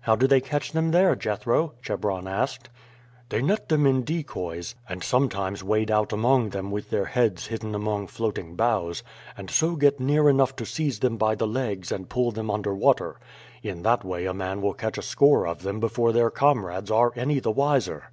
"How do they catch them there, Jethro?" Chebron asked. "They net them in decoys, and sometimes wade out among them with their heads hidden among floating boughs, and so get near enough to seize them by the legs and pull them under water; in that way a man will catch a score of them before their comrades are any the wiser."